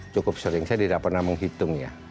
cukup sering saya tidak pernah menghitungnya